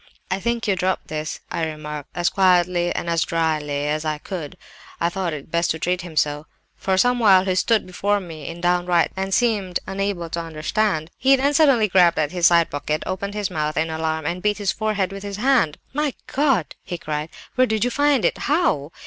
"'I think you dropped this,' I remarked, as quietly and drily as I could. (I thought it best to treat him so.) For some while he stood before me in downright terror, and seemed unable to understand. He then suddenly grabbed at his side pocket, opened his mouth in alarm, and beat his forehead with his hand. "'My God!' he cried, 'where did you find it? How?